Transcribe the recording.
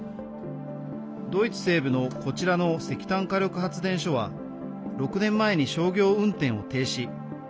ドイツ西部のこちらの石炭火力発電所は６年前に商業運転を停止。